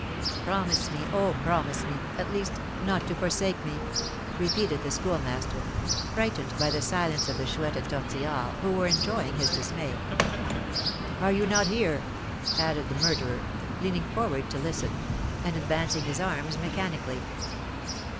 "Promise me, oh, promise me at least, not to forsake me!" repeated the Schoolmaster, frightened by the silence of the Chouette and Tortillard, who were enjoying his dismay. "Are you not here?" added the murderer, leaning forward to listen, and advancing his arms mechanically.